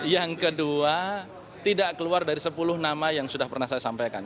yang kedua tidak keluar dari sepuluh nama yang sudah pernah saya sampaikan